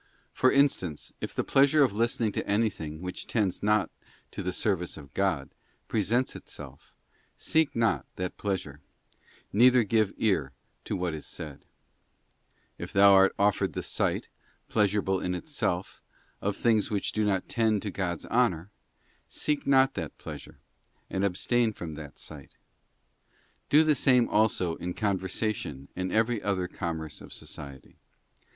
For instance, if the pleasure of listening to anything which tends not to the service of God presents itself, seek not that plea sure, neither give ear to what is said. If thou art offered * S. John iv. 34, Ot MORTIFICATION OF THE PASSIONS. 49 the sight, pleasurable in itself, of things which do not tend CHAP. to God's honour, seek not that pleasure, and abstain from ; that sight. Do the same also in conversation and every ; other commerce of society.